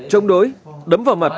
chống đối đấm vào mặt